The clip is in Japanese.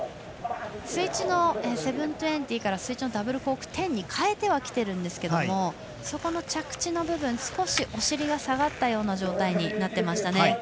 スイッチの７２０からダブルコーク１０８０に変えてはきているんですけどそこの着地の部分少しお尻が下がったような状態になっていましたね。